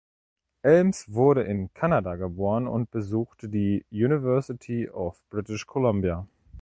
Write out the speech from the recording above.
Elms wurde in Kanada geboren und besuchte die University of British Columbia.